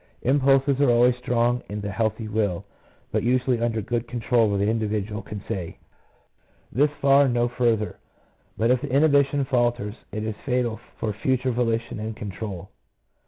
Impulses are always strong in the healthy will, but usually under good control where the individual can say :" This far and no, 8 114 PSYCHOLOGY OF ALCOHOLISM. farther"; but if the inhibition falters it is fatal for future volition and control.